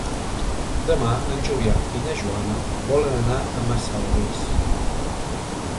Demà en Julià i na Joana volen anar a Massalavés.